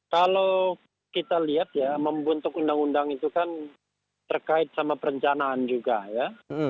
kalau kita lihat ya membentuk undang undang itu kan terkait sama perencanaan juga ya